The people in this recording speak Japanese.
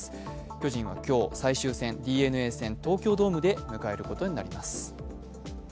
巨人は今日、最終戦、ＤｅＮＡ戦、東京ドームで迎えることになります。